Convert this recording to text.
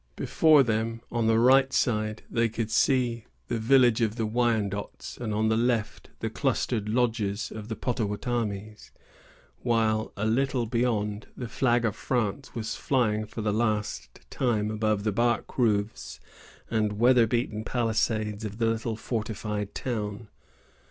Before them, on the right side, they could see the village of the Wyandots, and on the left the clustered lodges of the Pottawattamies; while, a little beyond, the flag of France was flying for the last time above the bark roofs and weather beaten palisades of the little fortified town.